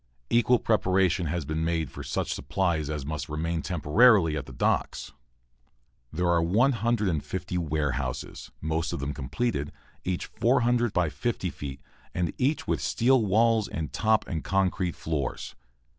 Equal preparation has been made for such supplies as must remain temporarily at the docks. There are 150 warehouses, most of them completed, each 400 by 50 feet, and each with steel walls and top and concrete floors.